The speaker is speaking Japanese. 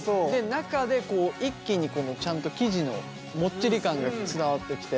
中でこう一気にこのちゃんと生地のもっちり感が伝わってきて。